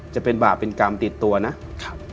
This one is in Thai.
จะเป็นบาปเป็นกรรมติดตัวนะครับ